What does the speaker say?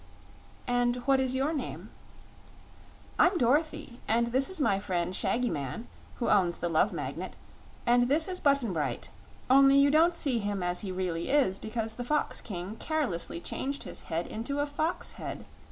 "And what is your name?" "I'm Dorothy; and this is my friend Shaggy Man, who owns the Love Magnet; and this is Button Bright only you don't see him as he really is because the Fox King carelessly changed his head into a fox head.